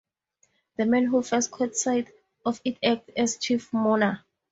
The man who first caught sight of it acts as chief mourner.